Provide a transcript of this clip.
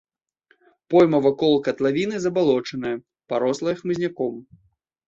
Пойма вакол катлавіны забалочаная, парослая хмызняком.